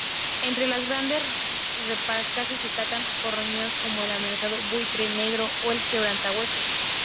Entre las grandes rapaces destacan carroñeros como el amenazado buitre negro o el quebrantahuesos.